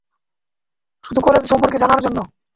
শুধু কলেজ সম্পর্কে জানার জন্য।